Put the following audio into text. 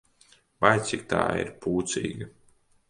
Vai, cik tā ir pūcīga!